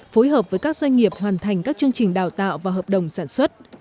phối hợp với các doanh nghiệp hoàn thành các chương trình đào tạo và hợp đồng sản xuất